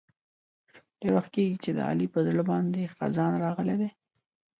ډېر وخت کېږي چې د علي په زړه باندې خزان راغلی دی.